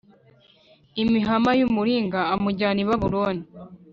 Imihama y umuringa a amujyana i babuloni